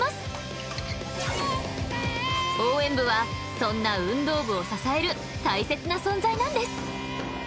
応援部はそんな運動部を支える大切な存在なんです